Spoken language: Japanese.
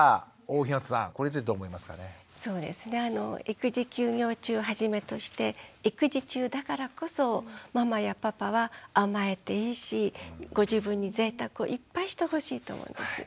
育児休業中はじめとして育児中だからこそママやパパは甘えていいしご自分にぜいたくをいっぱいしてほしいと思うんです。